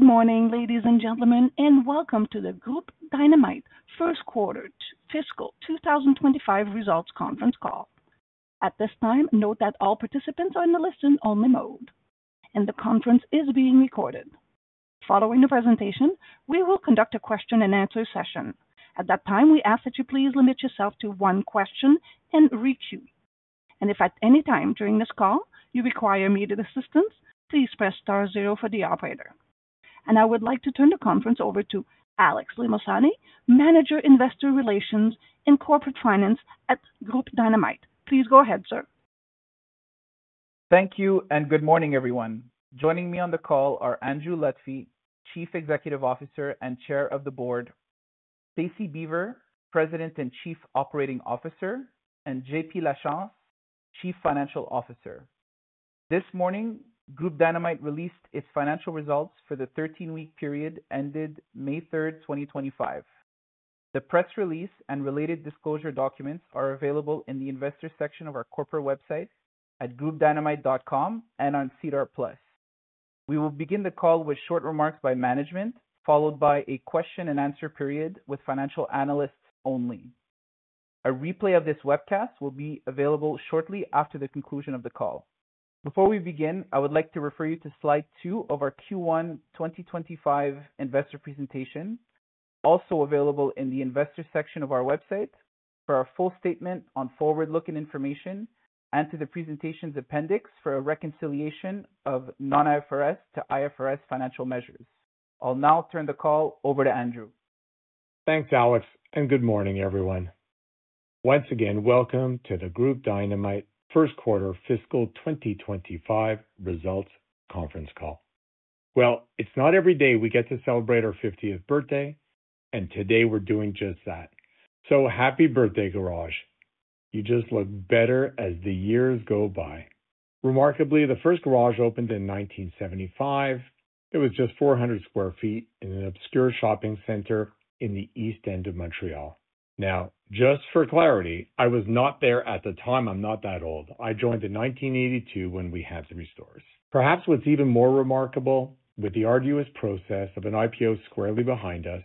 Good morning, ladies and gentlemen, and welcome to the Groupe Dynamite First Quarter Fiscal 2025 Results Conference Call. At this time, note that all participants are in the listen-only mode, and the conference is being recorded. Following the presentation, we will conduct a question-and-answer session. At that time, we ask that you please limit yourself to one question and re-cue. If at any time during this call you require immediate assistance, please press star zero for the operator. I would like to turn the conference over to Alex Limosani, Manager of Investor Relations and Corporate Finance at Groupe Dynamite. Please go ahead, sir. Thank you, and good morning, everyone. Joining me on the call are Andrew Lutfy, Chief Executive Officer and Chair of the Board, Stacie Beaver, President and Chief Operating Officer, and J.P. Lachance, Chief Financial Officer. This morning, Groupe Dynamite released its financial results for the 13-week period ended May 3rd, 2025. The press release and related disclosure documents are available in the investor section of our corporate website at groupedynamite.com and on SEDAR+. We will begin the call with short remarks by management, followed by a question-and-answer period with financial analysts only. A replay of this webcast will be available shortly after the conclusion of the call. Before we begin, I would like to refer you to slide two of our Q1 2025 investor presentation, also available in the investor section of our website, for our full statement on forward-looking information and to the presentation's appendix for a reconciliation of non-IFRS to IFRS financial measures. I'll now turn the call over to Andrew. Thanks, Alex, and good morning, everyone. Once again, welcome to the Groupe Dynamite First Quarter Fiscal 2025 Results Conference Call. It's not every day we get to celebrate our 50th birthday, and today we're doing just that. Happy birthday, Garage. You just look better as the years go by. Remarkably, the first Garage opened in 1975. It was just 400 sq ft in an obscure shopping center in the east end of Montreal. Now, just for clarity, I was not there at the time. I'm not that old. I joined in 1982 when we had three stores. Perhaps what's even more remarkable, with the arduous process of an IPO squarely behind us,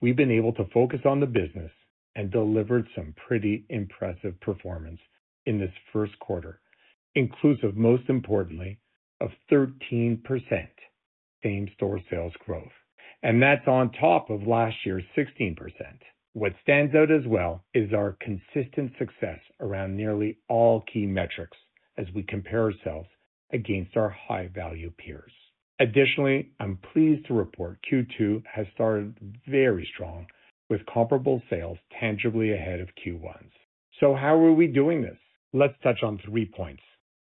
we've been able to focus on the business and delivered some pretty impressive performance in this first quarter, inclusive, most importantly, of 13% same-store sales growth. That's on top of last year's 16%. What stands out as well is our consistent success around nearly all key metrics as we compare ourselves against our high-value peers. Additionally, I'm pleased to report Q2 has started very strong, with comparable sales tangibly ahead of Q1's. How are we doing this? Let's touch on three points.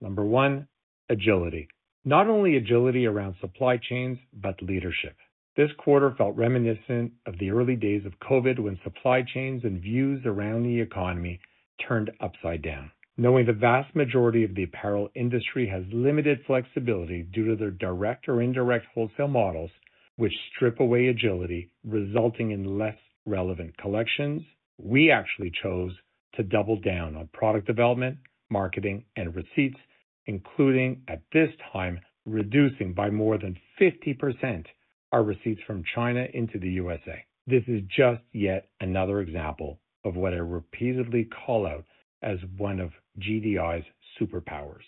Number one, agility. Not only agility around supply chains, but leadership. This quarter felt reminiscent of the early days of COVID when supply chains and views around the economy turned upside down. Knowing the vast majority of the apparel industry has limited flexibility due to their direct or indirect wholesale models, which strip away agility, resulting in less relevant collections, we actually chose to double down on product development, marketing, and receipts, including, at this time, reducing by more than 50% our receipts from China into the U.S.A. This is just yet another example of what I repeatedly call out as one of GDI's superpowers: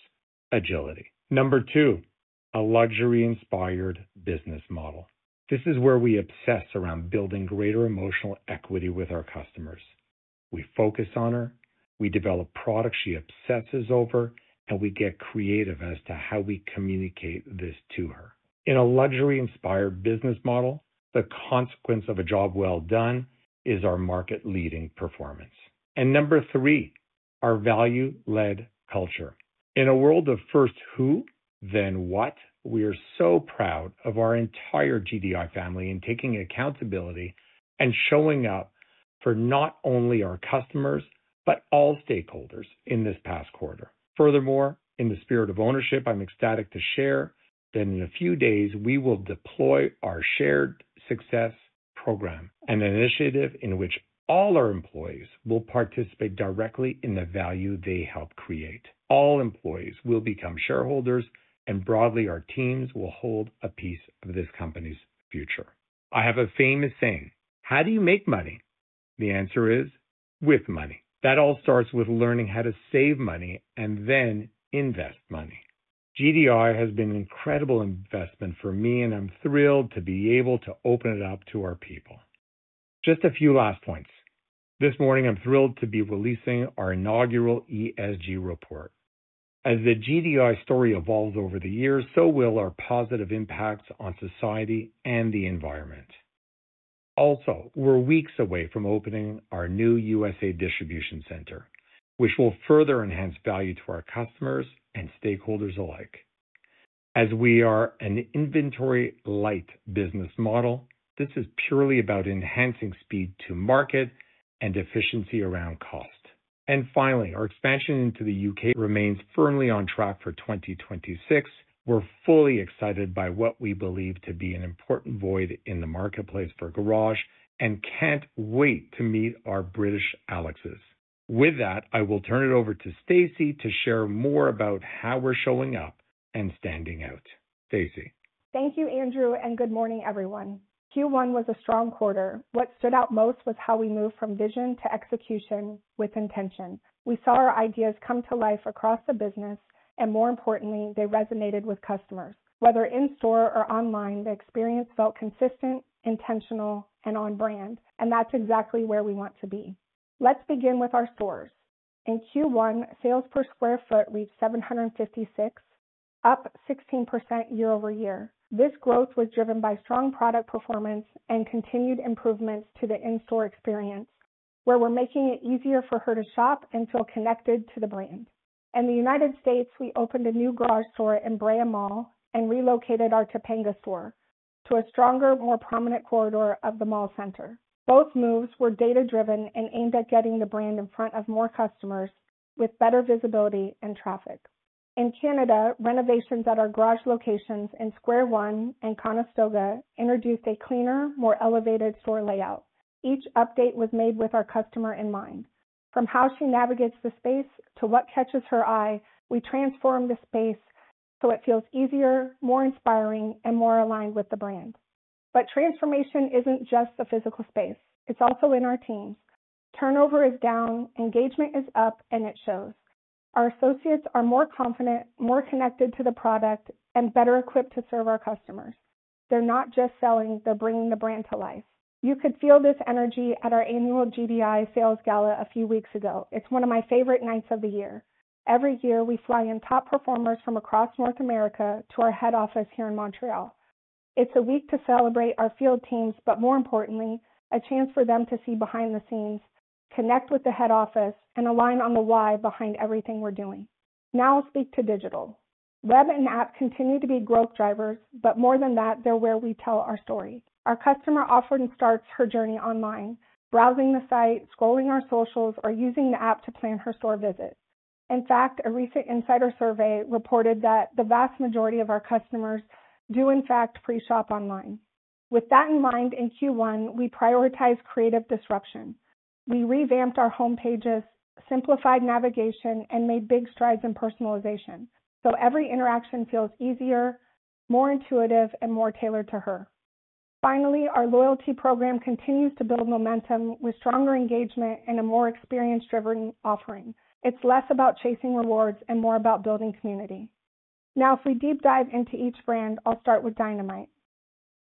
agility. Number two, a luxury-inspired business model. This is where we obsess around building greater emotional equity with our customers. We focus on her. We develop products she obsesses over, and we get creative as to how we communicate this to her. In a luxury-inspired business model, the consequence of a job well done is our market-leading performance. Number three, our value-led culture. In a world of first who, then what, we are so proud of our entire GDI family in taking accountability and showing up for not only our customers, but all stakeholders in this past quarter. Furthermore, in the spirit of ownership, I'm ecstatic to share that in a few days, we will deploy our shared success program, an initiative in which all our employees will participate directly in the value they help create. All employees will become shareholders, and broadly, our teams will hold a piece of this company's future. I have a famous saying: "How do you make money?" The answer is, "With money." That all starts with learning how to save money and then invest money. GDI has been an incredible investment for me, and I'm thrilled to be able to open it up to our people. Just a few last points. This morning, I'm thrilled to be releasing our inaugural ESG report. As the GDI story evolves over the years, so will our positive impacts on society and the environment. Also, we're weeks away from opening our new U.S.A. distribution center, which will further enhance value to our customers and stakeholders alike. As we are an inventory-light business model, this is purely about enhancing speed to market and efficiency around cost. Finally, our expansion into the U.K. remains firmly on track for 2026. We're fully excited by what we believe to be an important void in the marketplace for Garage and can't wait to meet our British Alex's. With that, I will turn it over to Stacie to share more about how we're showing up and standing out. Stacie. Thank you, Andrew, and good morning, everyone. Q1 was a strong quarter. What stood out most was how we moved from vision to execution with intention. We saw our ideas come to life across the business, and more importantly, they resonated with customers. Whether in-store or online, the experience felt consistent, intentional, and on-brand, and that's exactly where we want to be. Let's begin with our stores. In Q1, sales per sq ft reached 756, up 16% year over year. This growth was driven by strong product performance and continued improvements to the in-store experience, where we're making it easier for her to shop and feel connected to the brand. In the United States, we opened a new Garage store in Brea Mall and relocated our Topanga store to a stronger, more prominent corridor of the mall center. Both moves were data-driven and aimed at getting the brand in front of more customers with better visibility and traffic. In Canada, renovations at our Garage locations in Square One and Conestoga introduced a cleaner, more elevated store layout. Each update was made with our customer in mind. From how she navigates the space to what catches her eye, we transform the space so it feels easier, more inspiring, and more aligned with the brand. Transformation is not just the physical space. It is also in our teams. Turnover is down, engagement is up, and it shows. Our associates are more confident, more connected to the product, and better equipped to serve our customers. They are not just selling; they are bringing the brand to life. You could feel this energy at our annual GDI Sales Gala a few weeks ago. It is one of my favorite nights of the year. Every year, we fly in top performers from across North America to our head office here in Montreal. It's a week to celebrate our field teams, but more importantly, a chance for them to see behind the scenes, connect with the head office, and align on the why behind everything we're doing. Now, I'll speak to digital. Web and app continue to be growth drivers, but more than that, they're where we tell our story. Our customer often starts her journey online, browsing the site, scrolling our socials, or using the app to plan her store visit. In fact, a recent insider survey reported that the vast majority of our customers do, in fact, pre-shop online. With that in mind, in Q1, we prioritized creative disruption. We revamped our homepages, simplified navigation, and made big strides in personalization, so every interaction feels easier, more intuitive, and more tailored to her. Finally, our loyalty program continues to build momentum with stronger engagement and a more experience-driven offering. It's less about chasing rewards and more about building community. Now, if we deep dive into each brand, I'll start with Dynamite.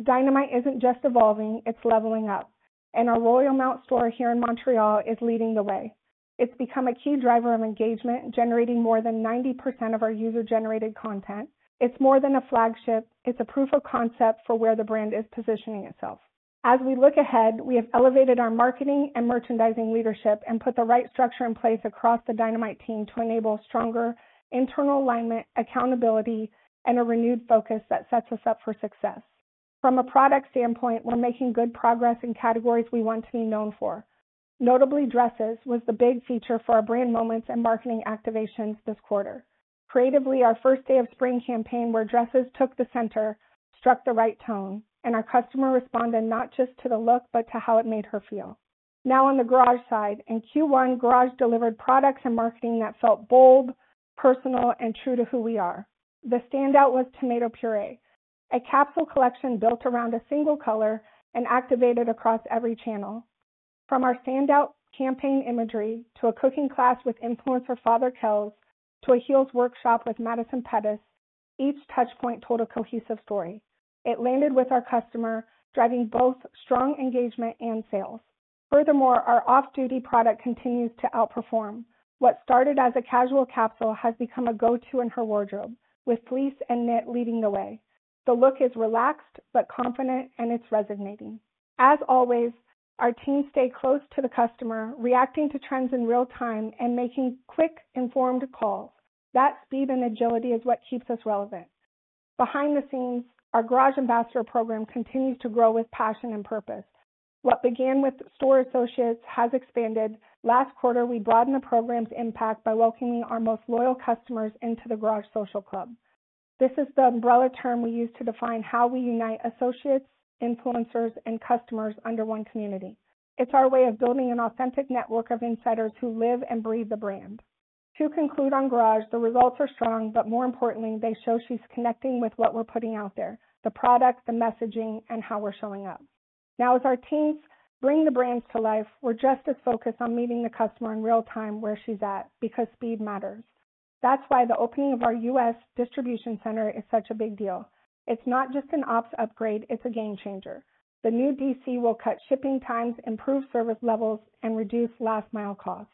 Dynamite isn't just evolving; it's leveling up. Our ROYALMOUNT store here in Montreal is leading the way. It's become a key driver of engagement, generating more than 90% of our user-generated content. It's more than a flagship. It's a proof of concept for where the brand is positioning itself. As we look ahead, we have elevated our marketing and merchandising leadership and put the right structure in place across the Dynamite team to enable stronger internal alignment, accountability, and a renewed focus that sets us up for success. From a product standpoint, we're making good progress in categories we want to be known for. Notably, dresses was the big feature for our brand moments and marketing activations this quarter. Creatively, our first day of spring campaign, where dresses took the center, struck the right tone, and our customer responded not just to the look, but to how it made her feel. Now, on the Garage side, in Q1, Garage delivered products and marketing that felt bold, personal, and true to who we are. The standout was Tomato Puree, a capsule collection built around a single color and activated across every channel. From our standout campaign imagery to a cooking class with influencer Fatherkels, to a heels workshop with Madison Pettis, each touchpoint told a cohesive story. It landed with our customer, driving both strong engagement and sales. Furthermore, our Off-Duty product continues to outperform. What started as a casual capsule has become a go-to in her wardrobe, with fleece and knit leading the way. The look is relaxed but confident, and it's resonating. As always, our teams stay close to the customer, reacting to trends in real time and making quick, informed calls. That speed and agility is what keeps us relevant. Behind the scenes, our Garage ambassador program continues to grow with passion and purpose. What began with store associates has expanded. Last quarter, we broadened the program's impact by welcoming our most loyal customers into the Garage social club. This is the umbrella term we use to define how we unite associates, influencers, and customers under one community. It's our way of building an authentic network of insiders who live and breathe the brand. To conclude on Garage, the results are strong, but more importantly, they show she's connecting with what we're putting out there: the product, the messaging, and how we're showing up. Now, as our teams bring the brands to life, we're just as focused on meeting the customer in real time where she's at because speed matters. That is why the opening of our U.S. distribution center is such a big deal. It's not just an ops upgrade; it's a game changer. The new DC will cut shipping times, improve service levels, and reduce last-mile cost.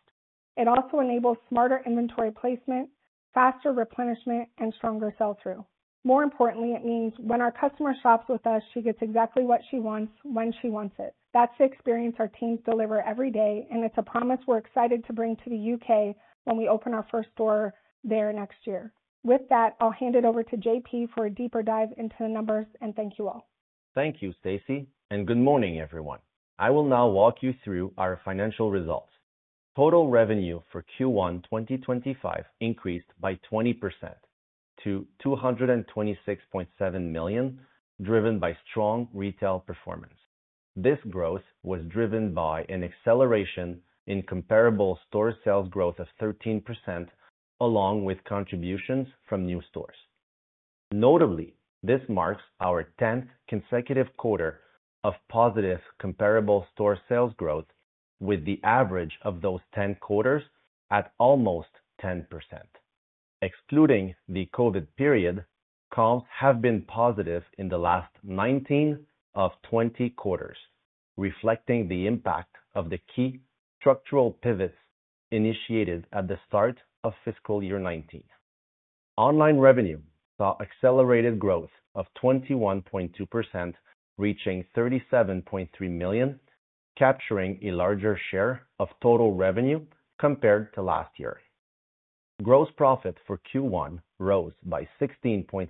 It also enables smarter inventory placement, faster replenishment, and stronger sell-through. More importantly, it means when our customer shops with us, she gets exactly what she wants when she wants it. That's the experience our teams deliver every day, and it's a promise we're excited to bring to the U.K. when we open our first store there next year. With that, I'll hand it over to J.P. for a deeper dive into the numbers, and thank you all. Thank you, Stacie, and good morning, everyone. I will now walk you through our financial results. Total revenue for Q1 2025 increased by 20% to $226.7 million, driven by strong retail performance. This growth was driven by an acceleration in comparable store sales growth of 13%, along with contributions from new stores. Notably, this marks our 10th consecutive quarter of positive comparable store sales growth, with the average of those 10 quarters at almost 10%. Excluding the COVID period, comps have been positive in the last 19 of 20 quarters, reflecting the impact of the key structural pivots initiated at the start of fiscal year 2019. Online revenue saw accelerated growth of 21.2%, reaching $37.3 million, capturing a larger share of total revenue compared to last year. Gross profit for Q1 rose by 16.6%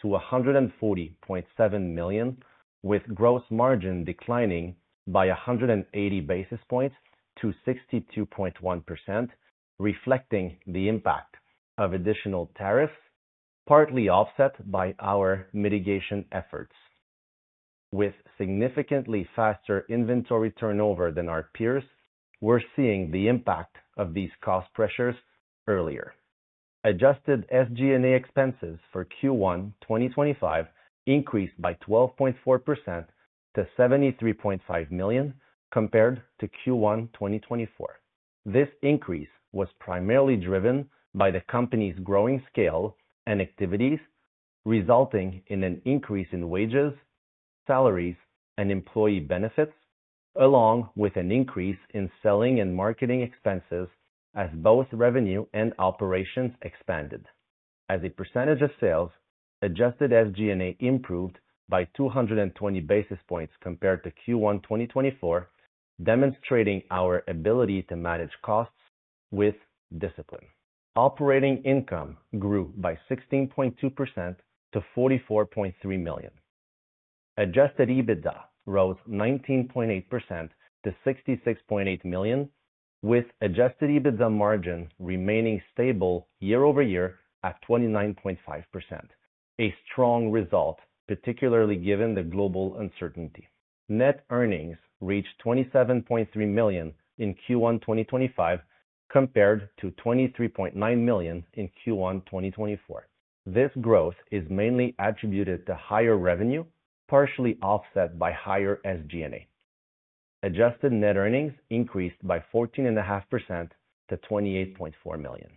to $140.7 million, with gross margin declining by 180 basis points to 62.1%, reflecting the impact of additional tariffs, partly offset by our mitigation efforts. With significantly faster inventory turnover than our peers, we're seeing the impact of these cost pressures earlier. Adjusted SG&A expenses for Q1 2025 increased by 12.4% to $73.5 million compared to Q1 2024. This increase was primarily driven by the company's growing scale and activities, resulting in an increase in wages, salaries, and employee benefits, along with an increase in selling and marketing expenses as both revenue and operations expanded. As a percentage of sales, adjusted SG&A improved by 220 basis points compared to Q1 2024, demonstrating our ability to manage costs with discipline. Operating income grew by 16.2% to $44.3 million. Adjusted EBITDA rose 19.8% to $66.8 million, with adjusted EBITDA margin remaining stable year over year at 29.5%, a strong result, particularly given the global uncertainty. Net earnings reached $27.3 million in Q1 2025 compared to $23.9 million in Q1 2024. This growth is mainly attributed to higher revenue, partially offset by higher SG&A. Adjusted net earnings increased by 14.5% to $28.4 million.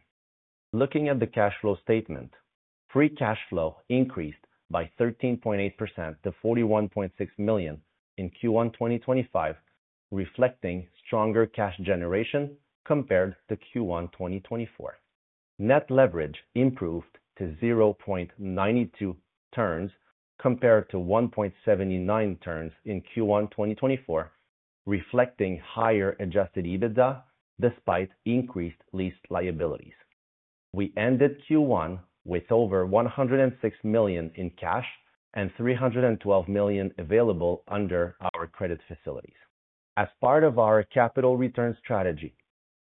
Looking at the cash flow statement, free cash flow increased by 13.8% to $41.6 million in Q1 2025, reflecting stronger cash generation compared to Q1 2024. Net leverage improved to 0.92 turns compared to 1.79 turns in Q1 2024, reflecting higher adjusted EBITDA despite increased lease liabilities. We ended Q1 with over $106 million in cash and $312 million available under our credit facilities. As part of our capital return strategy,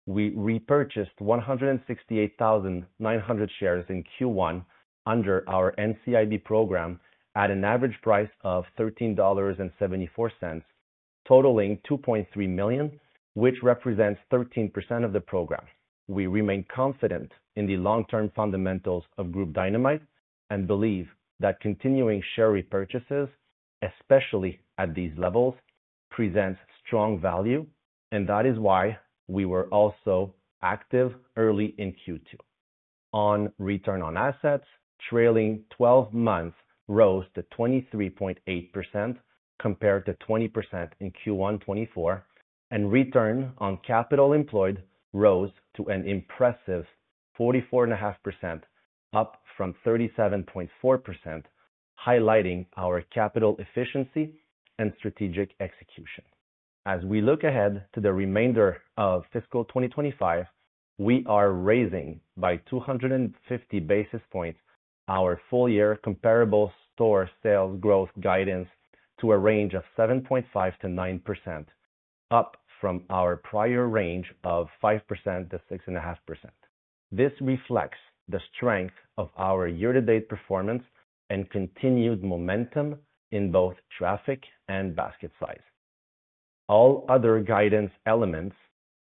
we repurchased 168,900 shares in Q1 under our NCIB program at an average price of $13.74, totaling $2.3 million, which represents 13% of the program. We remain confident in the long-term fundamentals of Groupe Dynamite and believe that continuing share repurchases, especially at these levels, present strong value, and that is why we were also active early in Q2. On return on assets, trailing 12 months rose to 23.8% compared to 20% in Q1 2024, and return on capital employed rose to an impressive 44.5%, up from 37.4%, highlighting our capital efficiency and strategic execution. As we look ahead to the remainder of fiscal 2025, we are raising by 250 basis points our full-year comparable store sales growth guidance to a range of 7.5%-9%, up from our prior range of 5%-6.5%. This reflects the strength of our year-to-date performance and continued momentum in both traffic and basket size. All other guidance elements,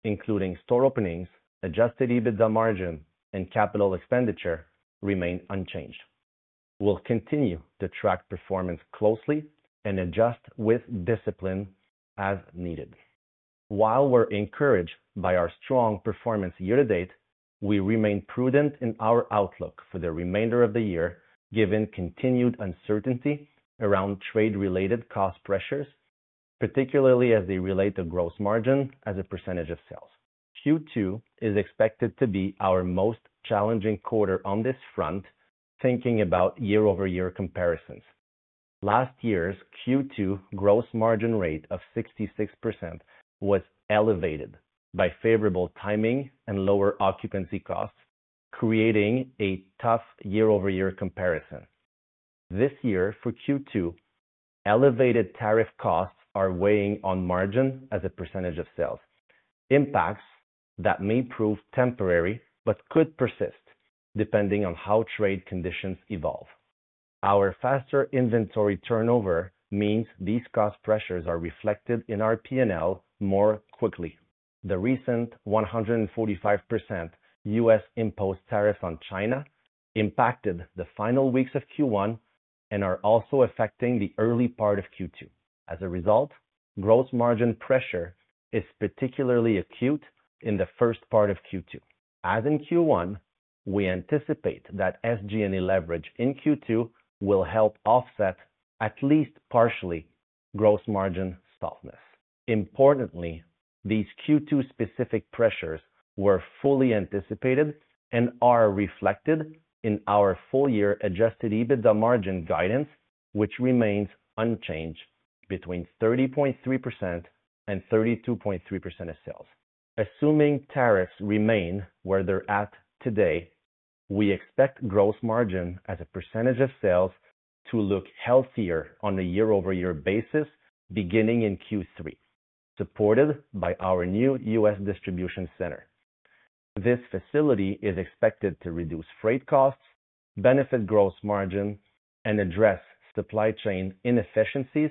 including store openings, adjusted EBITDA margin, and capital expenditure, remain unchanged. We'll continue to track performance closely and adjust with discipline as needed. While we're encouraged by our strong performance year-to-date, we remain prudent in our outlook for the remainder of the year, given continued uncertainty around trade-related cost pressures, particularly as they relate to gross margin as a percentage of sales. Q2 is expected to be our most challenging quarter on this front, thinking about year-over-year comparisons. Last year's Q2 gross margin rate of 66% was elevated by favorable timing and lower occupancy costs, creating a tough year-over-year comparison. This year for Q2, elevated tariff costs are weighing on margin as a percentage of sales, impacts that may prove temporary but could persist depending on how trade conditions evolve. Our faster inventory turnover means these cost pressures are reflected in our P&L more quickly. The recent 145% U.S.-imposed tariffs on China impacted the final weeks of Q1 and are also affecting the early part of Q2. As a result, gross margin pressure is particularly acute in the first part of Q2. As in Q1, we anticipate that SG&A leverage in Q2 will help offset, at least partially, gross margin softness. Importantly, these Q2-specific pressures were fully anticipated and are reflected in our full-year adjusted EBITDA margin guidance, which remains unchanged between 30.3%-32.3% of sales. Assuming tariffs remain where they're at today, we expect gross margin as a percentage of sales to look healthier on a year-over-year basis beginning in Q3, supported by our new U.S. distribution center. This facility is expected to reduce freight costs, benefit gross margin, and address supply chain inefficiencies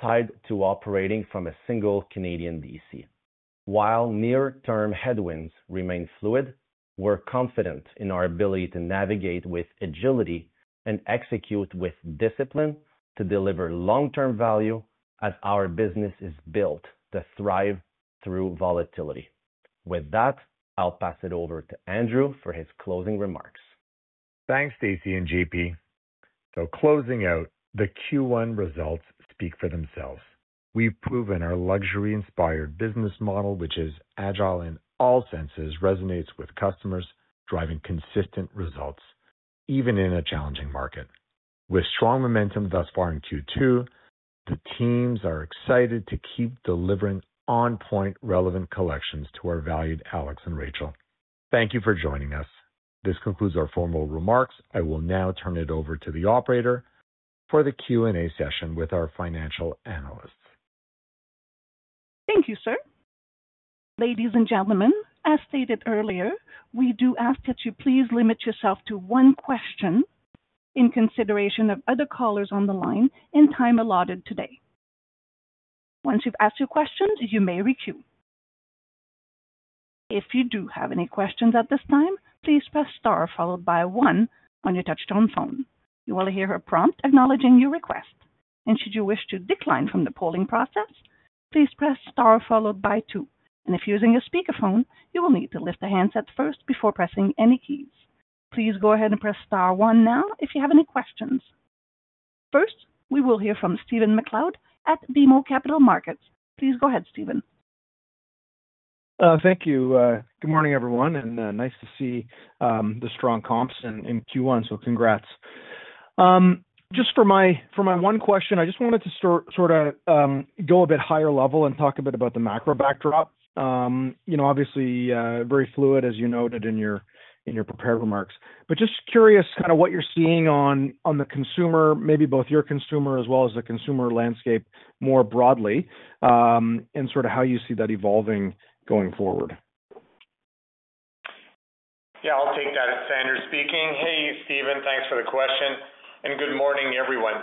tied to operating from a single Canadian DC. While near-term headwinds remain fluid, we're confident in our ability to navigate with agility and execute with discipline to deliver long-term value as our business is built to thrive through volatility. With that, I'll pass it over to Andrew for his closing remarks. Thanks, Stacie and J.P. So closing out, the Q1 results speak for themselves. We've proven our luxury-inspired business model, which is agile in all senses, resonates with customers, driving consistent results even in a challenging market. With strong momentum thus far in Q2, the teams are excited to keep delivering on-point, relevant collections to our valued Alex and Rachel. Thank you for joining us. This concludes our formal remarks. I will now turn it over to the operator for the Q&A session with our financial analysts. Thank you, sir. Ladies and gentlemen, as stated earlier, we do ask that you please limit yourself to one question in consideration of other callers on the line and time allotted today. Once you've asked your questions, you may recue. If you do have any questions at this time, please press star followed by one on your touch-tone phone. You will hear a prompt acknowledging your request. Should you wish to decline from the polling process, please press star followed by two. If using a speakerphone, you will need to lift the handset first before pressing any keys. Please go ahead and press star one now if you have any questions. First, we will hear from Stephen MacLeod at BMO Capital Markets. Please go ahead, Stephen. Thank you. Good morning, everyone, and nice to see the strong comps in Q1, so congrats. Just for my one question, I just wanted to sort of go a bit higher level and talk a bit about the macro backdrop. Obviously, very fluid, as you noted in your prepared remarks. Just curious kind of what you're seeing on the consumer, maybe both your consumer as well as the consumer landscape more broadly, and sort of how you see that evolving going forward. Yeah, I'll take that. It's Andrew speaking. Hey, Stephen, thanks for the question. Good morning, everyone.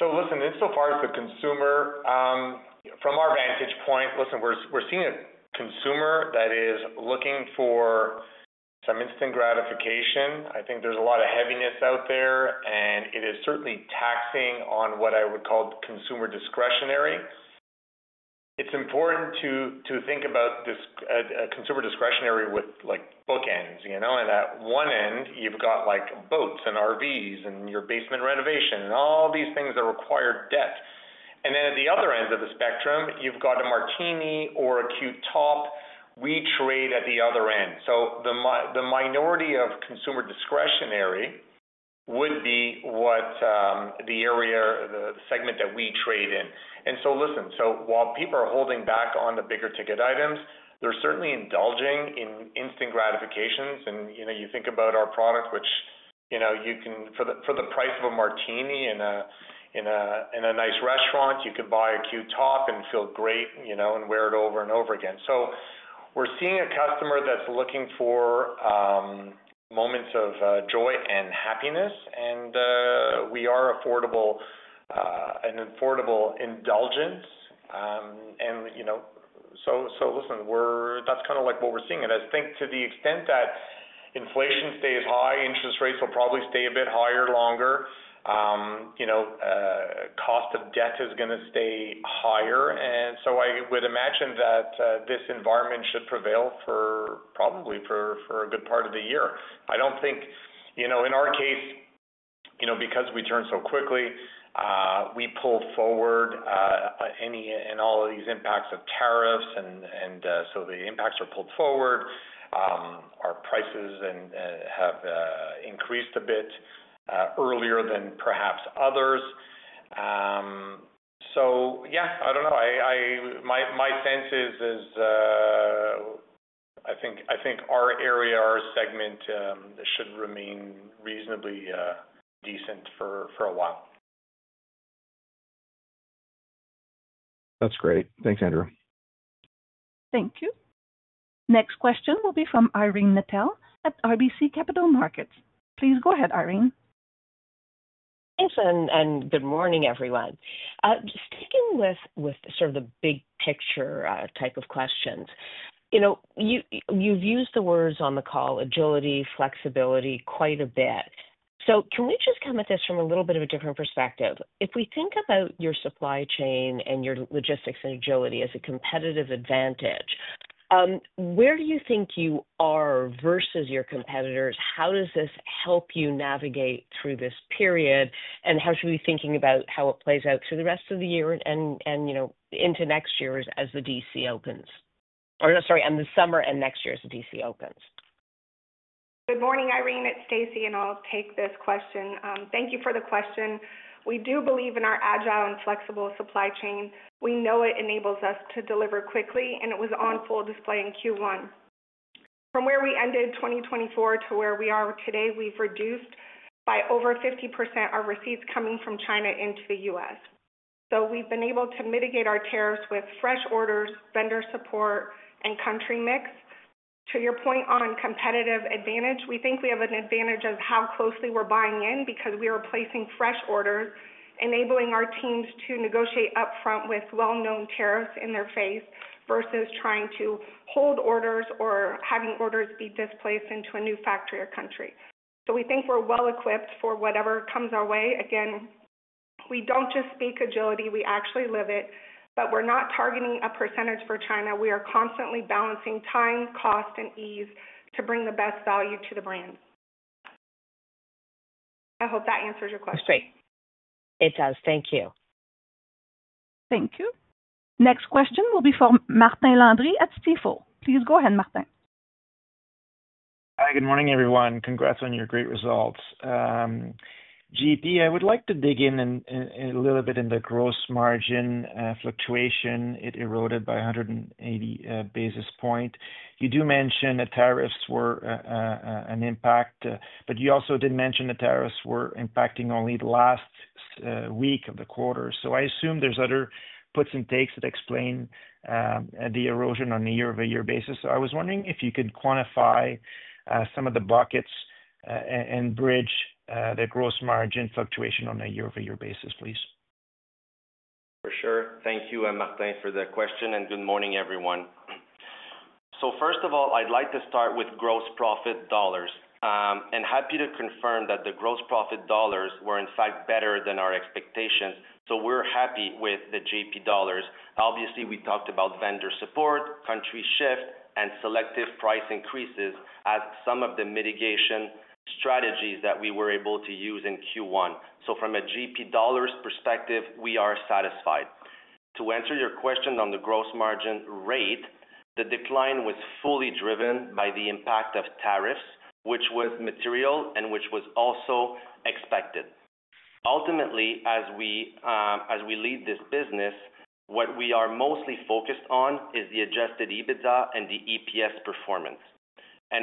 Listen, insofar as the consumer, from our vantage point, listen, we're seeing a consumer that is looking for some instant gratification. I think there's a lot of heaviness out there, and it is certainly taxing on what I would call consumer discretionary. It's important to think about consumer discretionary with bookends, and at one end, you've got boats and RVs and your basement renovation and all these things that require debt. At the other end of the spectrum, you've got a martini or a QTOP. We trade at the other end. The minority of consumer discretionary would be the area, the segment that we trade in. Listen, while people are holding back on the bigger ticket items, they're certainly indulging in instant gratifications. You think about our product, which you can, for the price of a martini in a nice restaurant, you can buy a QTOP and feel great and wear it over and over again. We are seeing a customer that is looking for moments of joy and happiness, and we are an affordable indulgence. That is kind of like what we are seeing. I think to the extent that inflation stays high, interest rates will probably stay a bit higher longer. Cost of debt is going to stay higher. I would imagine that this environment should prevail for probably a good part of the year. I do not think in our case, because we turn so quickly, we pull forward all of these impacts of tariffs. The impacts are pulled forward. Our prices have increased a bit earlier than perhaps others. Yeah, I don't know. My sense is I think our area, our segment should remain reasonably decent for a while. That's great. Thanks, Andrew. Thank you. Next question will be from Irene Nattel at RBC Capital Markets. Please go ahead, Irene. Thanks, and good morning, everyone. Sticking with sort of the big picture type of questions, you've used the words on the call agility, flexibility quite a bit. Can we just come at this from a little bit of a different perspective? If we think about your supply chain and your logistics and agility as a competitive advantage, where do you think you are versus your competitors? How does this help you navigate through this period? How should we be thinking about how it plays out through the rest of the year and into next year as the DC opens? Or sorry, in the summer and next year as the DC opens. Good morning, Irene. It's Stacie, and I'll take this question. Thank you for the question. We do believe in our agile and flexible supply chain. We know it enables us to deliver quickly, and it was on full display in Q1. From where we ended 2024 to where we are today, we've reduced by over 50% our receipts coming from China into the U.S. We've been able to mitigate our tariffs with fresh orders, vendor support, and country mix. To your point on competitive advantage, we think we have an advantage of how closely we're buying in because we are placing fresh orders, enabling our teams to negotiate upfront with well-known tariffs in their face versus trying to hold orders or having orders be displaced into a new factory or country. We think we're well equipped for whatever comes our way. Again, we don't just speak agility, we actually live it. We're not targeting a percentage for China. We are constantly balancing time, cost, and ease to bring the best value to the brand. I hope that answers your question. That's great. It does. Thank you. Thank you. Next question will be from Martin Landry at Stifel. Please go ahead, Martin. Hi, good morning, everyone. Congrats on your great results. J.P., I would like to dig in a little bit in the gross margin fluctuation. It eroded by 180 basis points. You do mention that tariffs were an impact, but you also did mention that tariffs were impacting only the last week of the quarter. I assume there are other puts and takes that explain the erosion on a year-over-year basis. I was wondering if you could quantify some of the buckets and bridge the gross margin fluctuation on a year-over-year basis, please. For sure. Thank you, Martin, for the question, and good morning, everyone. First of all, I'd like to start with gross profit dollars. Happy to confirm that the gross profit dollars were, in fact, better than our expectations. We're happy with the GP dollars. Obviously, we talked about vendor support, country shift, and selective price increases as some of the mitigation strategies that we were able to use in Q1. From a GP dollars perspective, we are satisfied. To answer your question on the gross margin rate, the decline was fully driven by the impact of tariffs, which was material and which was also expected. Ultimately, as we lead this business, what we are mostly focused on is the adjusted EBITDA and the EPS performance.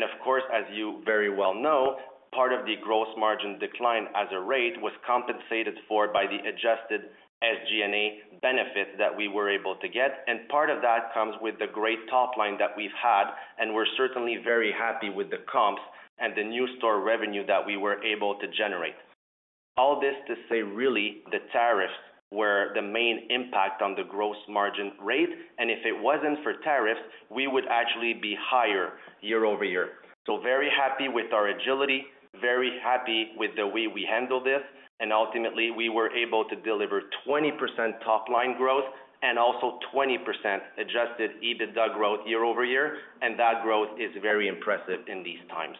Of course, as you very well know, part of the gross margin decline as a rate was compensated for by the adjusted SG&A benefits that we were able to get. Part of that comes with the great top line that we've had, and we're certainly very happy with the comps and the new store revenue that we were able to generate. All this to say, really, the tariffs were the main impact on the gross margin rate. If it wasn't for tariffs, we would actually be higher year over year. Very happy with our agility, very happy with the way we handled this. Ultimately, we were able to deliver 20% top line growth and also 20% adjusted EBITDA growth year over year. That growth is very impressive in these times.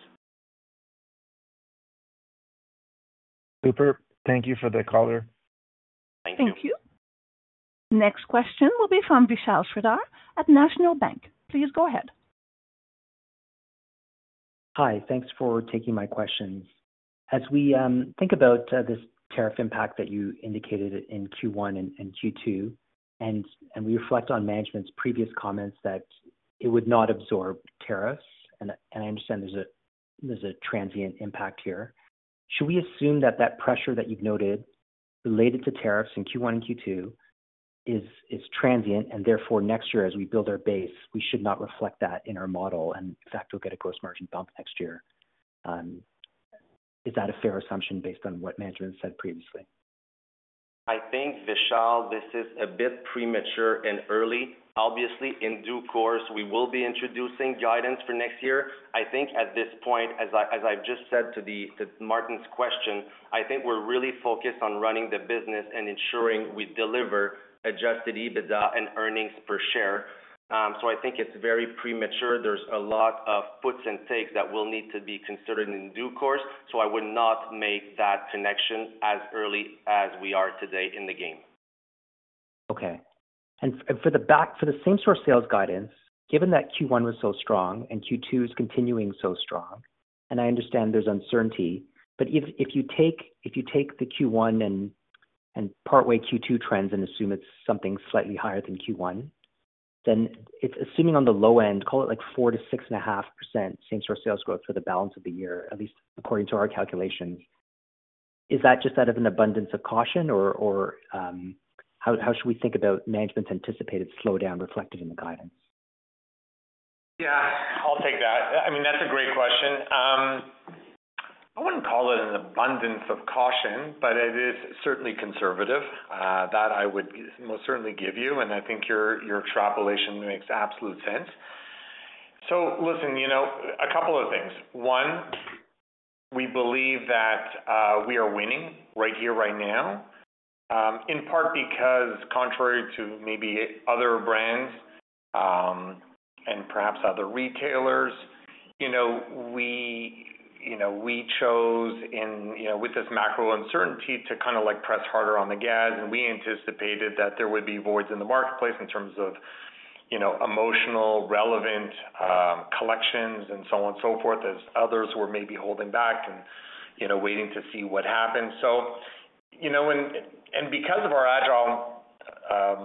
Super. Thank you for the color. Thank you. Thank you. Next question will be from Vishal Shreedhar at National Bank. Please go ahead. Hi, thanks for taking my question. As we think about this tariff impact that you indicated in Q1 and Q2, and we reflect on management's previous comments that it would not absorb tariffs, and I understand there's a transient impact here. Should we assume that that pressure that you've noted related to tariffs in Q1 and Q2 is transient, and therefore next year, as we build our base, we should not reflect that in our model and, in fact, we'll get a gross margin bump next year? Is that a fair assumption based on what management said previously? I think, Vishal, this is a bit premature and early. Obviously, in due course, we will be introducing guidance for next year. I think at this point, as I've just said to Martin's question, I think we're really focused on running the business and ensuring we deliver adjusted EBITDA and earnings per share. I think it's very premature. There's a lot of puts and takes that will need to be considered in due course. I would not make that connection as early as we are today in the game. Okay. For the same sort of sales guidance, given that Q1 was so strong and Q2 is continuing so strong, and I understand there is uncertainty, but if you take the Q1 and partway Q2 trends and assume it is something slightly higher than Q1, then assuming on the low end, call it like 4-6.5% same-store sales growth for the balance of the year, at least according to our calculations, is that just out of an abundance of caution, or how should we think about management's anticipated slowdown reflected in the guidance? Yeah, I'll take that. I mean, that's a great question. I wouldn't call it an abundance of caution, but it is certainly conservative. That I would most certainly give you, and I think your extrapolation makes absolute sense. Listen, a couple of things. One, we believe that we are winning right here, right now, in part because, contrary to maybe other brands and perhaps other retailers, we chose with this macro uncertainty to kind of press harder on the gas. We anticipated that there would be voids in the marketplace in terms of emotional, relevant collections and so on and so forth, as others were maybe holding back and waiting to see what happens. Because of our agile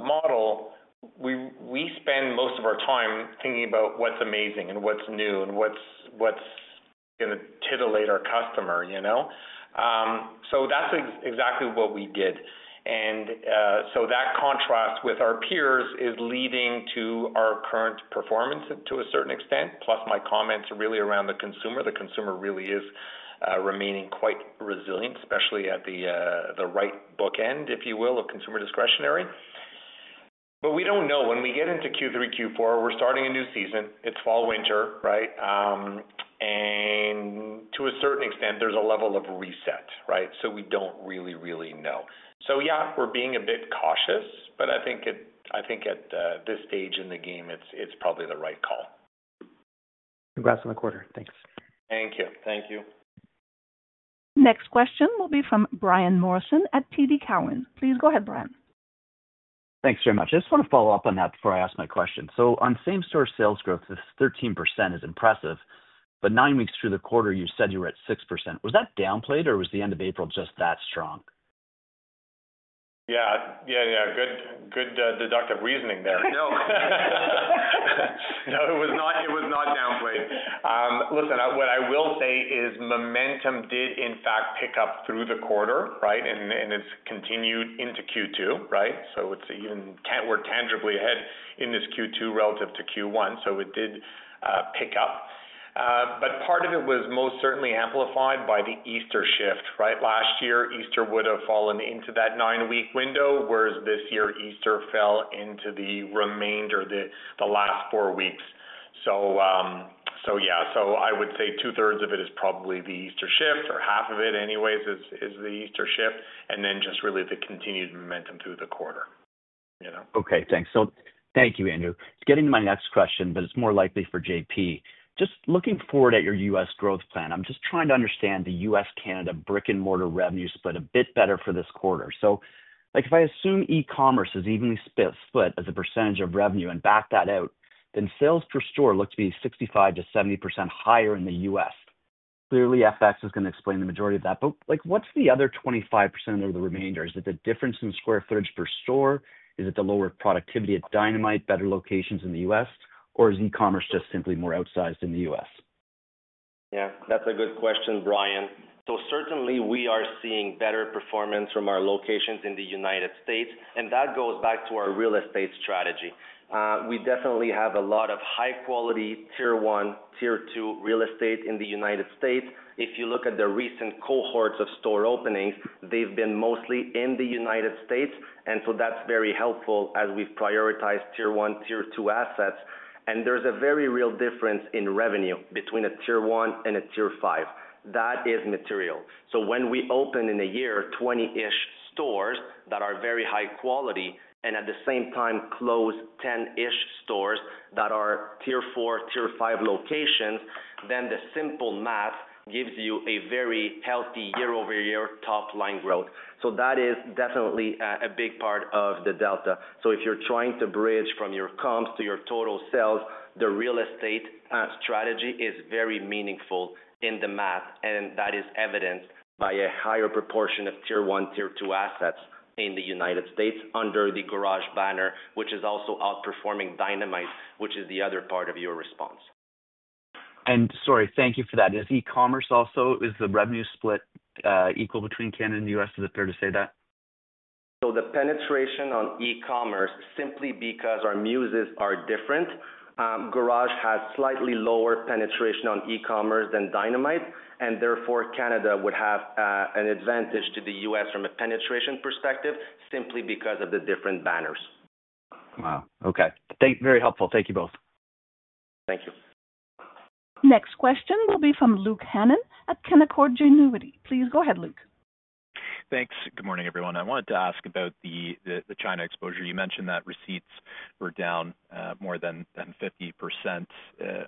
model, we spend most of our time thinking about what's amazing and what's new and what's going to titillate our customer. That's exactly what we did. That contrast with our peers is leading to our current performance to a certain extent, plus my comments really around the consumer. The consumer really is remaining quite resilient, especially at the right bookend, if you will, of consumer discretionary. We do not know. When we get into Q3, Q4, we are starting a new season. It is fall, winter, right? To a certain extent, there is a level of reset, right? We do not really, really know. We are being a bit cautious, but I think at this stage in the game, it is probably the right call. Congrats on the quarter. Thanks. Thank you. Thank you. Next question will be from Brian Morrison at TD Cowen. Please go ahead, Brian. Thanks very much. I just want to follow up on that before I ask my question. On same-store sales growth, this 13% is impressive, but nine weeks through the quarter, you said you were at 6%. Was that downplayed, or was the end of April just that strong? Yeah. Yeah, yeah. Good deductive reasoning there. No. No, it was not downplayed. Listen, what I will say is momentum did, in fact, pick up through the quarter, right? And it has continued into Q2, right? We are tangibly ahead in this Q2 relative to Q1, so it did pick up. Part of it was most certainly amplified by the Easter shift, right? Last year, Easter would have fallen into that nine-week window, whereas this year, Easter fell into the remainder, the last four weeks. Yeah, I would say two-thirds of it is probably the Easter shift, or half of it anyways is the Easter shift, and then just really the continued momentum through the quarter. Okay. Thanks. Thank you, Andrew. Getting to my next question, but it's more likely for J.P. Just looking forward at your U.S. growth plan, I'm just trying to understand the U.S.-Canada brick-and-mortar revenue split a bit better for this quarter. If I assume e-commerce is evenly split as a percentage of revenue and back that out, then sales per store look to be 65%-70% higher in the U.S. Clearly, FX is going to explain the majority of that. What's the other 25% or the remainder? Is it the difference in square footage per store? Is it the lower productivity at Dynamite, better locations in the U.S.? Or is e-commerce just simply more outsized in the U.S.? Yeah, that's a good question, Brian. Certainly, we are seeing better performance from our locations in the United States. That goes back to our real estate strategy. We definitely have a lot of high-quality tier one, tier two real estate in the United States. If you look at the recent cohorts of store openings, they've been mostly in the United States. That is very helpful as we've prioritized tier one, tier two assets. There is a very real difference in revenue between a tier one and a tier five. That is material. When we open in a year, 20-ish stores that are very high quality and at the same time close 10-ish stores that are tier four, tier five locations, the simple math gives you a very healthy year-over-year top line growth. That is definitely a big part of the delta. If you're trying to bridge from your comps to your total sales, the real estate strategy is very meaningful in the math. That is evidenced by a higher proportion of tier one, tier two assets in the United States under the Garage banner, which is also outperforming Dynamite, which is the other part of your response. Sorry, thank you for that. Is e-commerce also, is the revenue split equal between Canada and the U.S.? Is it fair to say that? The penetration on e-commerce, simply because our muses are different, Garage has slightly lower penetration on e-commerce than Dynamite. Therefore, Canada would have an advantage to the U.S. from a penetration perspective, simply because of the different banners. Wow. Okay. Very helpful. Thank you both. Thank you. Next question will be from Luke Hannan at Canaccord Genuity. Please go ahead, Luke. Thanks. Good morning, everyone. I wanted to ask about the China exposure. You mentioned that receipts were down more than 50%. I'm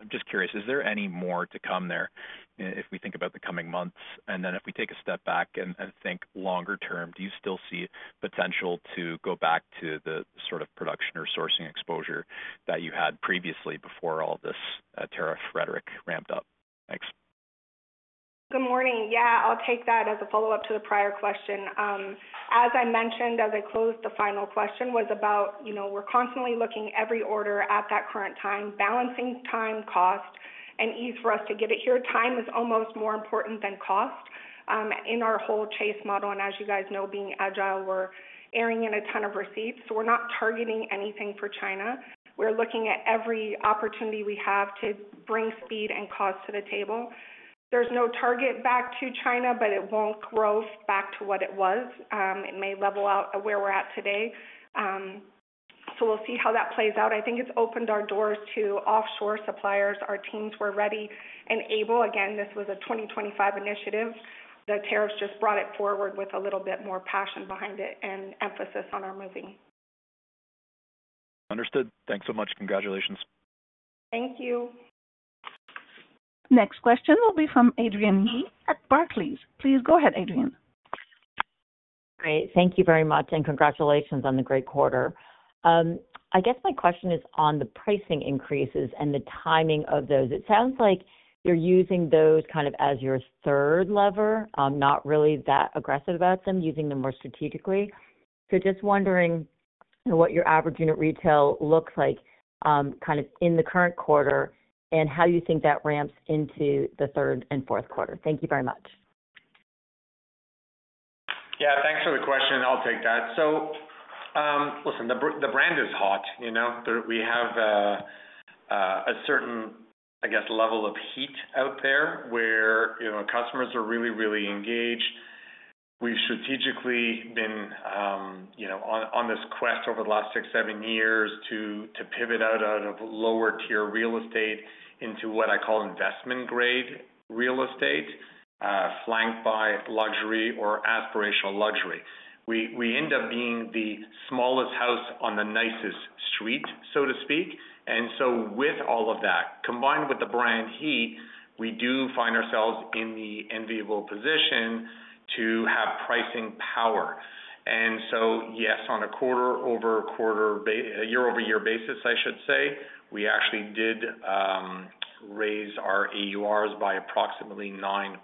just curious, is there any more to come there if we think about the coming months? If we take a step back and think longer term, do you still see potential to go back to the sort of production or sourcing exposure that you had previously before all this tariff rhetoric ramped up? Thanks. Good morning. Yeah, I'll take that as a follow-up to the prior question. As I mentioned, as I closed, the final question was about we're constantly looking every order at that current time, balancing time, cost, and ease for us to get it here. Time is almost more important than cost in our whole chase model. As you guys know, being agile, we're airing in a ton of receipts. We're not targeting anything for China. We're looking at every opportunity we have to bring speed and cost to the table. There's no target back to China, but it won't grow back to what it was. It may level out where we're at today. We'll see how that plays out. I think it's opened our doors to offshore suppliers. Our teams were ready and able. Again, this was a 2025 initiative. The tariffs just brought it forward with a little bit more passion behind it and emphasis on our moving. Understood. Thanks so much. Congratulations. Thank you. Next question will be from Adrienne Yih at Barclays. Please go ahead, Adrienne. All right. Thank you very much, and congratulations on the great quarter. I guess my question is on the pricing increases and the timing of those. It sounds like you're using those kind of as your third lever, not really that aggressive about them, using them more strategically. Just wondering what your average unit retail looks like kind of in the current quarter and how you think that ramps into the third and fourth quarter. Thank you very much. Yeah, thanks for the question. I'll take that. Listen, the brand is hot. We have a certain, I guess, level of heat out there where customers are really, really engaged. We've strategically been on this quest over the last six, seven years to pivot out of lower-tier real estate into what I call investment-grade real estate, flanked by luxury or aspirational luxury. We end up being the smallest house on the nicest street, so to speak. With all of that, combined with the brand heat, we do find ourselves in the enviable position to have pricing power. Yes, on a quarter-over-year basis, I should say, we actually did raise our AURs by approximately 9%.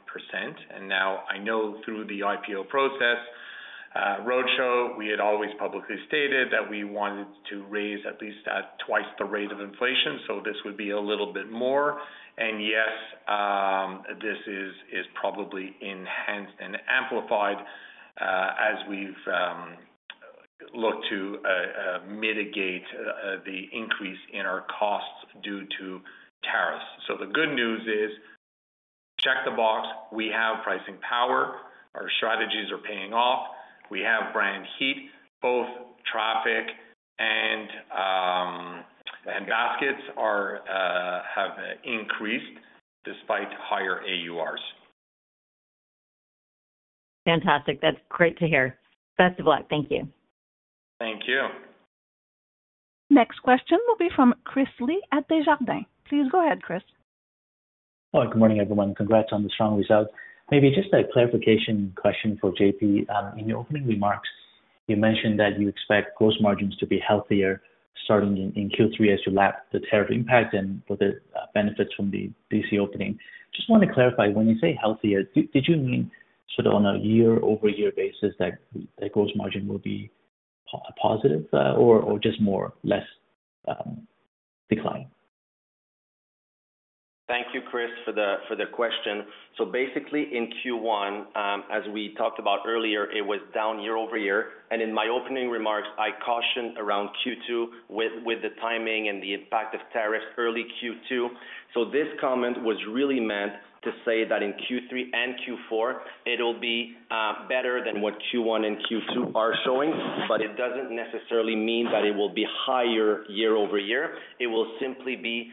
Now I know through the IPO process roadshow, we had always publicly stated that we wanted to raise at least twice the rate of inflation. This would be a little bit more. Yes, this is probably enhanced and amplified as we have looked to mitigate the increase in our costs due to tariffs. The good news is, check the box. We have pricing power. Our strategies are paying off. We have brand heat. Both traffic and baskets have increased despite higher AURs. Fantastic. That's great to hear. Best of luck. Thank you. Thank you. Next question will be from Chris Lee at Desjardins. Please go ahead, Chris. Hello. Good morning, everyone. Congrats on the strong results. Maybe just a clarification question for J.P. In your opening remarks, you mentioned that you expect gross margins to be healthier starting in Q3 as you lap the tariff impact and with the benefits from the DC opening. Just want to clarify, when you say healthier, did you mean sort of on a year-over-year basis that the gross margin will be positive or just more or less decline? Thank you, Chris, for the question. Basically, in Q1, as we talked about earlier, it was down year-over-year. In my opening remarks, I cautioned around Q2 with the timing and the impact of tariffs early Q2. This comment was really meant to say that in Q3 and Q4, it will be better than what Q1 and Q2 are showing, but it does not necessarily mean that it will be higher year-over-year. It will simply be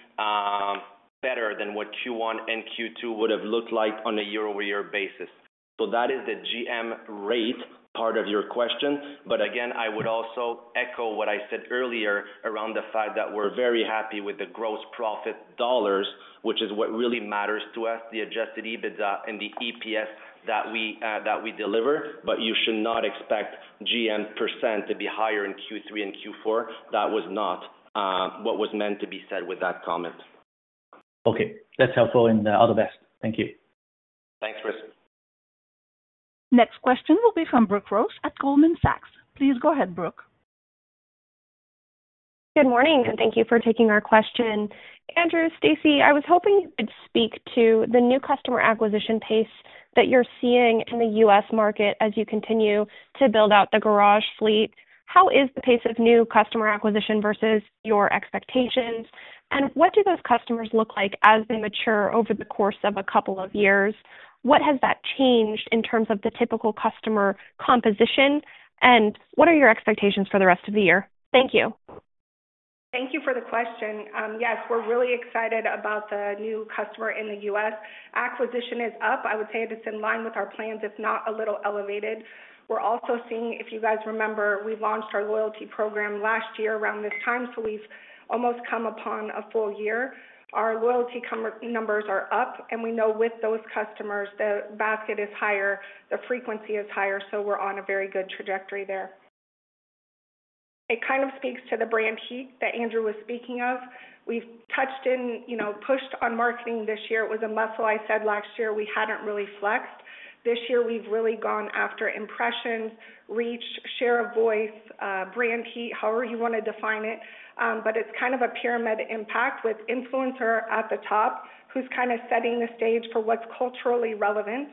better than what Q1 and Q2 would have looked like on a year-over-year basis. That is the GM rate part of your question. Again, I would also echo what I said earlier around the fact that we are very happy with the gross profit dollars, which is what really matters to us, the adjusted EBITDA, and the EPS that we deliver. You should not expect GM percent to be higher in Q3 and Q4. That was not what was meant to be said with that comment. Okay. That's helpful and all the best. Thank you. Thanks, Chris. Next question will be from Brooke Roach at Goldman Sachs. Please go ahead, Brooke. Good morning, and thank you for taking our question. Andrew, Stacie, I was hoping you could speak to the new customer acquisition pace that you're seeing in the U.S. market as you continue to build out the Garage fleet. How is the pace of new customer acquisition versus your expectations? What do those customers look like as they mature over the course of a couple of years? What has that changed in terms of the typical customer composition? What are your expectations for the rest of the year? Thank you. Thank you for the question. Yes, we're really excited about the new customer in the U.S. Acquisition is up. I would say it is in line with our plans, if not a little elevated. We're also seeing, if you guys remember, we launched our loyalty program last year around this time, so we've almost come upon a full year. Our loyalty numbers are up, and we know with those customers, the basket is higher, the frequency is higher, so we're on a very good trajectory there. It kind of speaks to the brand heat that Andrew was speaking of. We've touched in, pushed on marketing this year. It was a muscle I said last year we hadn't really flexed. This year, we've really gone after impressions, reach, share of voice, brand heat, however you want to define it. It's kind of a pyramid impact with influencer at the top who's kind of setting the stage for what's culturally relevant.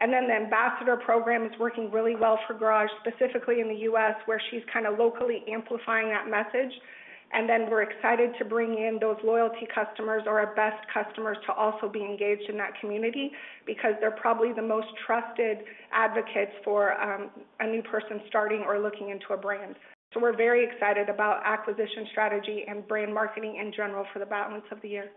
The ambassador program is working really well for Garage, specifically in the U.S., where she's kind of locally amplifying that message. We're excited to bring in those loyalty customers or our best customers to also be engaged in that community because they're probably the most trusted advocates for a new person starting or looking into a brand. We're very excited about acquisition strategy and brand marketing in general for the balance of the year.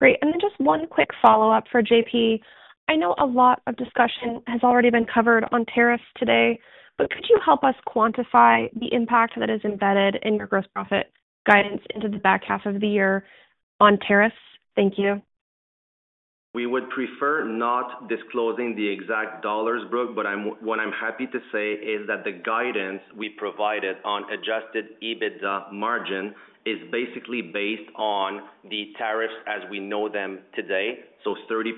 Great. Just one quick follow-up for J.P. I know a lot of discussion has already been covered on tariffs today, but could you help us quantify the impact that is embedded in your gross profit guidance into the back half of the year on tariffs? Thank you. We would prefer not disclosing the exact dollars, Brooke, but what I'm happy to say is that the guidance we provided on adjusted EBITDA margin is basically based on the tariffs as we know them today. So 30%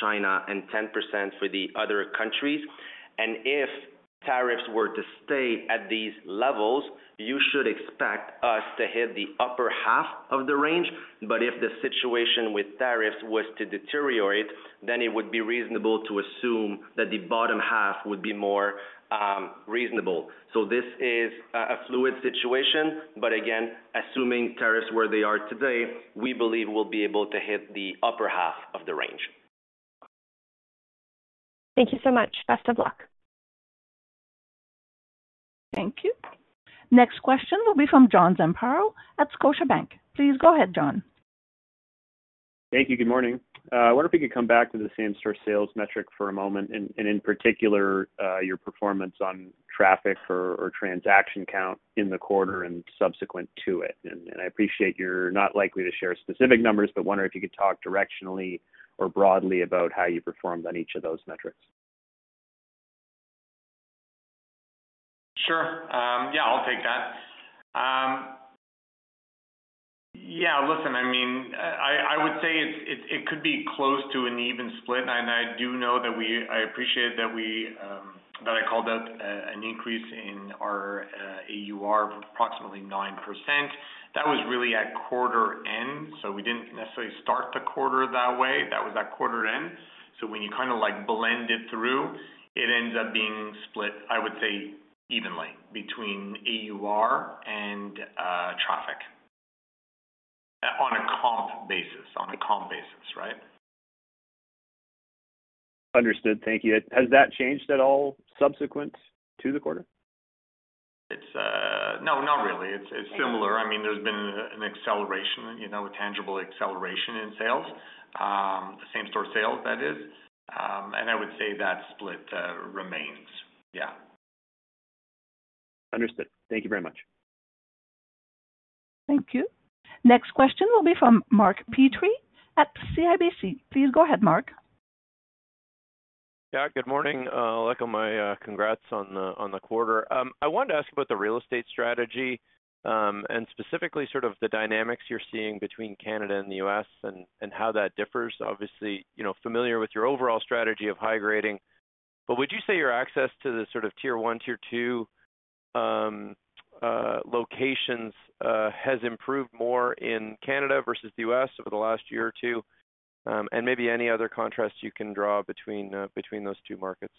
China and 10% for the other countries. If tariffs were to stay at these levels, you should expect us to hit the upper half of the range. If the situation with tariffs was to deteriorate, then it would be reasonable to assume that the bottom half would be more reasonable. This is a fluid situation. Again, assuming tariffs where they are today, we believe we'll be able to hit the upper half of the range. Thank you so much. Best of luck. Thank you. Next question will be from John Zamparo at Scotiabank. Please go ahead, John. Thank you. Good morning. I wonder if you could come back to the same store sales metric for a moment and in particular your performance on traffic or transaction count in the quarter and subsequent to it. I appreciate you're not likely to share specific numbers, but wonder if you could talk directionally or broadly about how you performed on each of those metrics. Sure. Yeah, I'll take that. Yeah. Listen, I mean, I would say it could be close to an even split. And I do know that I appreciate that I called out an increase in our AUR of approximately 9%. That was really at quarter end. So we didn't necessarily start the quarter that way. That was at quarter end. So when you kind of blend it through, it ends up being split, I would say, evenly between AUR and traffic on a comp basis, on a comp basis, right? Understood. Thank you. Has that changed at all subsequent to the quarter? No, not really. It's similar. I mean, there's been an acceleration, a tangible acceleration in sales, same store sales, that is. I would say that split remains. Yeah. Understood. Thank you very much. Thank you. Next question will be from Mark Petrie at CIBC. Please go ahead, Mark. Yeah. Good morning. Like all my congrats on the quarter. I wanted to ask about the real estate strategy and specifically sort of the dynamics you're seeing between Canada and the U.S. and how that differs. Obviously, familiar with your overall strategy of high grading. Would you say your access to the sort of tier one, tier two locations has improved more in Canada versus the U.S. over the last year or two? Maybe any other contrast you can draw between those two markets?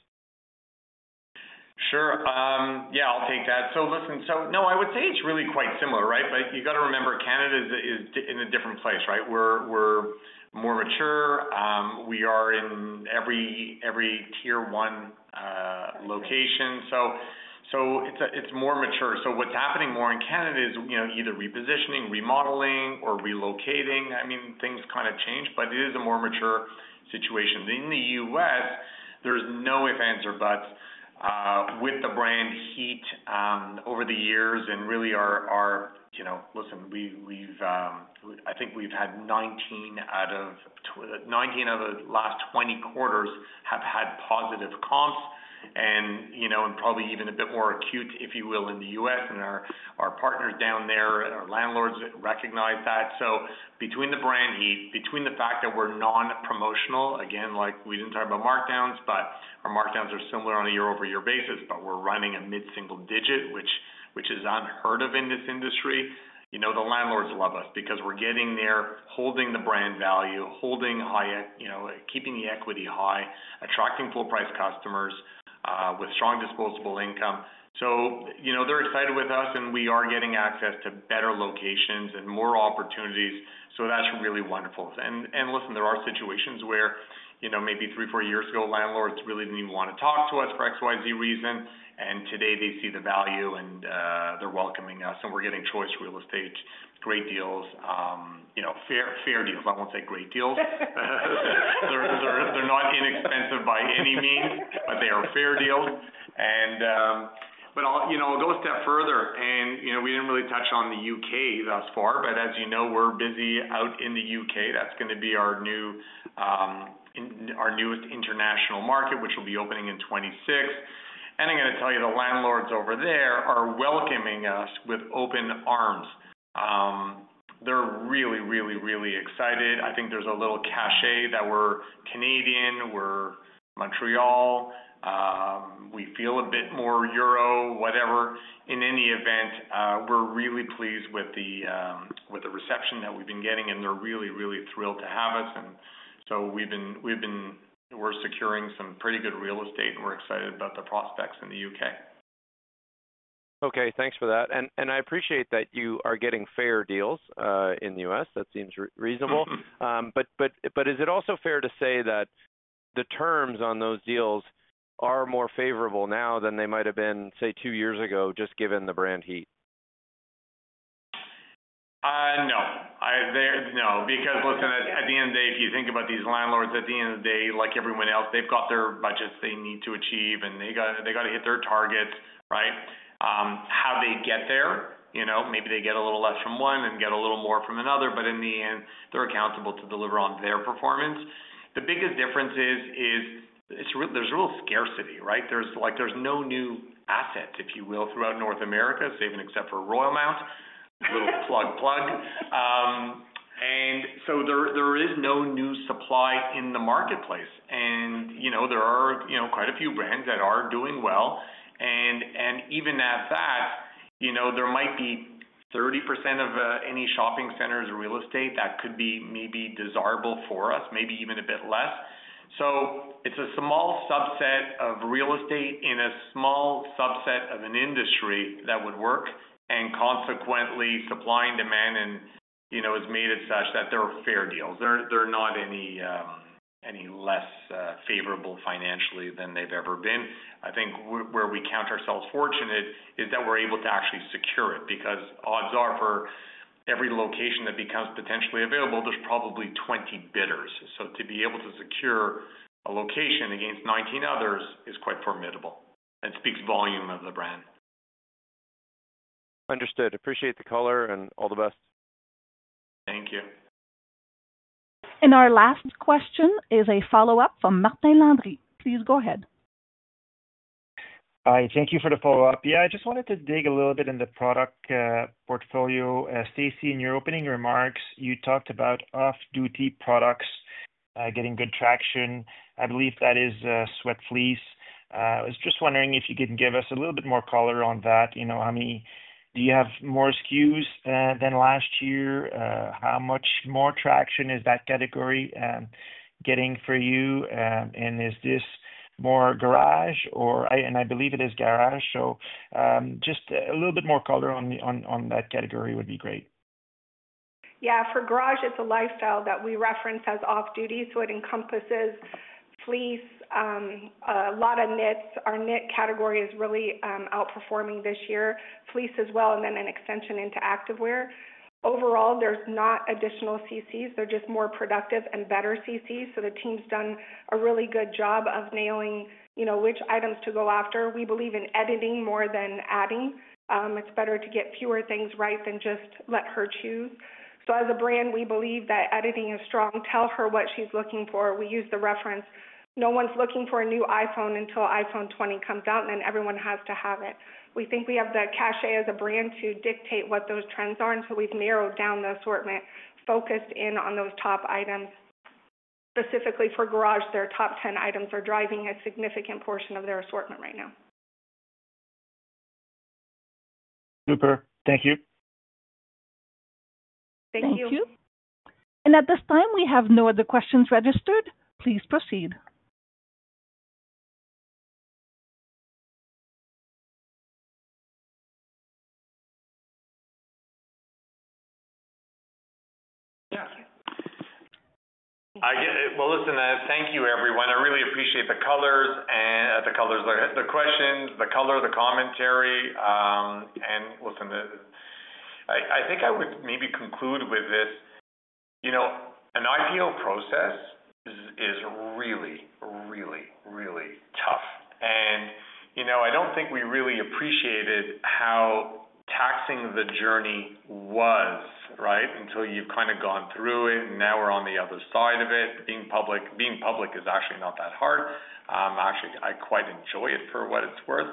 Sure. Yeah, I'll take that. Listen, no, I would say it's really quite similar, right? You got to remember Canada is in a different place, right? We're more mature. We are in every tier one location. It's more mature. What's happening more in Canada is either repositioning, remodeling, or relocating. I mean, things kind of change, but it is a more mature situation. In the U.S., there's no ifs, ands or buts with the brand heat over the years and really our, listen, I think we've had 19 out of 20 of the last 20 quarters have had positive comps and probably even a bit more acute, if you will, in the U.S. Our partners down there, our landlords recognize that. Between the brand heat, between the fact that we're non-promotional, again, we didn't talk about markdowns, but our markdowns are similar on a year-over-year basis, but we're running a mid-single digit, which is unheard of in this industry. The landlords love us because we're getting there, holding the brand value, holding high, keeping the equity high, attracting full-price customers with strong disposable income. They are excited with us, and we are getting access to better locations and more opportunities. That's really wonderful. Listen, there are situations where maybe three, four years ago, landlords really didn't even want to talk to us for XYZ reason. Today, they see the value, and they're welcoming us, and we're getting choice real estate, great deals, fair deals. I won't say great deals. They're not inexpensive by any means, but they are fair deals. I'll go a step further. We did not really touch on the U.K. thus far, but as you know, we are busy out in the U.K. That is going to be our newest international market, which will be opening in 2026. I am going to tell you, the landlords over there are welcoming us with open arms. They are really, really, really excited. I think there is a little cachet that we are Canadian, we are Montreal, we feel a bit more Euro, whatever. In any event, we are really pleased with the reception that we have been getting, and they are really, really thrilled to have us. We have been securing some pretty good real estate, and we are excited about the prospects in the U.K. Okay. Thanks for that. I appreciate that you are getting fair deals in the U.S. That seems reasonable. Is it also fair to say that the terms on those deals are more favorable now than they might have been, say, two years ago, just given the brand heat? No. No. Because listen, at the end of the day, if you think about these landlords, at the end of the day, like everyone else, they've got their budgets they need to achieve, and they got to hit their targets, right? How they get there, maybe they get a little less from one and get a little more from another, but in the end, they're accountable to deliver on their performance. The biggest difference is there's real scarcity, right? There's no new assets, if you will, throughout North America, save and except for ROYALMOUNT. Little plug, plug. There is no new supply in the marketplace. There are quite a few brands that are doing well. Even at that, there might be 30% of any shopping centers or real estate that could be maybe desirable for us, maybe even a bit less. It's a small subset of real estate in a small subset of an industry that would work, and consequently supply and demand has made it such that there are fair deals. They're not any less favorable financially than they've ever been. I think where we count ourselves fortunate is that we're able to actually secure it because odds are for every location that becomes potentially available, there's probably 20 bidders. To be able to secure a location against 19 others is quite formidable and speaks volume of the brand. Understood. Appreciate the color and all the best. Thank you. Our last question is a follow-up from Martin Landry. Please go ahead. Hi. Thank you for the follow-up. Yeah, I just wanted to dig a little bit in the product portfolio. Stacie, in your opening remarks, you talked about Off-Duty products getting good traction. I believe that is sweat fleece. I was just wondering if you could give us a little bit more color on that. Do you have more SKUs than last year? How much more traction is that category getting for you? Is this more Garage? I believe it is Garage. Just a little bit more color on that category would be great. Yeah. For Garage, it's a lifestyle that we reference as Off-Duty. It encompasses fleece, a lot of knits. Our knit category is really outperforming this year, fleece as well, and then an extension into activewear. Overall, there's not additional SKUs. They're just more productive and better SKUs. The team's done a really good job of nailing which items to go after. We believe in editing more than adding. It's better to get fewer things right than just let her choose. As a brand, we believe that editing is strong. Tell her what she's looking for. We use the reference, no one's looking for a new iPhone until iPhone 20 comes out, and then everyone has to have it. We think we have the cachet as a brand to dictate what those trends are. We have narrowed down the assortment, focused in on those top items. Specifically for Garage, their top 10 items are driving a significant portion of their assortment right now. Super. Thank you. Thank you. Thank you. At this time, we have no other questions registered. Please proceed. Thank you, everyone. I really appreciate the colors. The colors are the questions, the color, the commentary. I think I would maybe conclude with this. An IPO process is really, really, really tough. I do not think we really appreciated how taxing the journey was, right, until you have kind of gone through it. Now we are on the other side of it. Being public is actually not that hard. Actually, I quite enjoy it for what it is worth.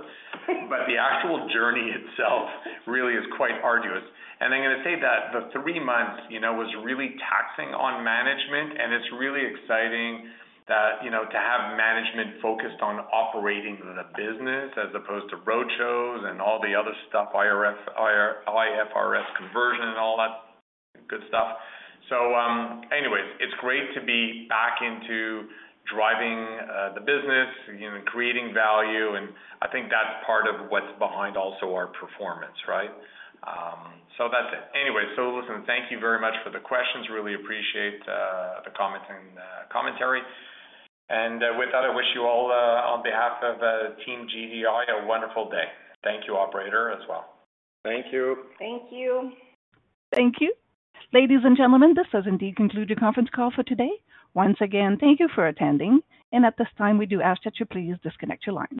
The actual journey itself really is quite arduous. I am going to say that the three months was really taxing on management. It is really exciting to have management focused on operating the business as opposed to roadshows and all the other stuff, IFRS conversion and all that good stuff. Anyways, it is great to be back into driving the business, creating value. I think that's part of what's behind also our performance, right? That's it. Anyway, listen, thank you very much for the questions. Really appreciate the commentary and with that, I wish you all, on behalf of Team GDI, a wonderful day. Thank you, operator, as well. Thank you. Thank you. Thank you. Ladies and gentlemen, this has indeed concluded the conference call for today. Once again, thank you for attending. At this time, we do ask that you please disconnect your line.